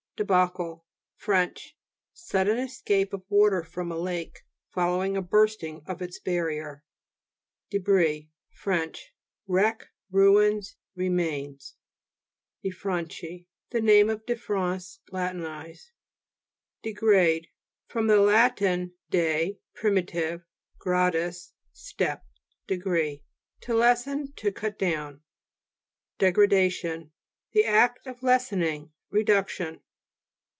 DEBACLE Fr. Sudden escape of water from a lake, following a bursting of its barrier (p. 128). DE'BRIS (de' bree) Fr. Wreck, ruins, remains (p. 14). DEFRA'NCII The name of Defrance latinized (p. 74). DEGRADE fr. lat. de, privitive, gra dus, step, degree. To lessen, to cut down. DEGRADATION The act of lessen ing ; reduction.